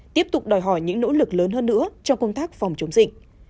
tiếp tục đòi hỏi những nỗ lực lớn hơn nữa cho công tác phòng chống dịch